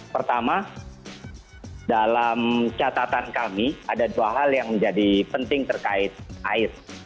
pertama dalam catatan kami ada dua hal yang menjadi penting terkait air